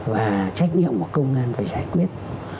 và trách nhiệm của công an phải giải quyết